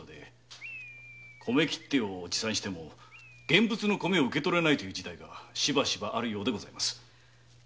米切手を持参しても現物の米を受け取れないという事態がしばしばあるようです。